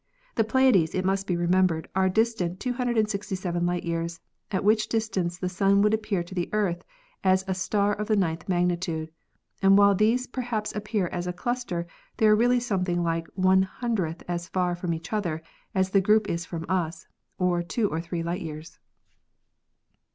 The Pleiades, it must be remembered, are distant 267 light years, at which distance the Sun would appear to the Earth as a star of the ninth magnitude; and while these perhaps appear as a cluster, they are really something like one hundredth as far from each other as the group is from us, or two or three light years.